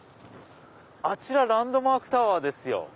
あちらランドマークタワーですよ。